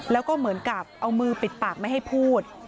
แล้วก็เหมือนกับเอามือปิดปากไม่ให้พูด